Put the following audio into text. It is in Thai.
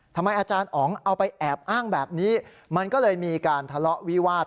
อาจารย์อ๋องเอาไปแอบอ้างแบบนี้มันก็เลยมีการทะเลาะวิวาส